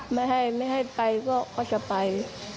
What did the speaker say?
ไม่ให้ไปก็จะไป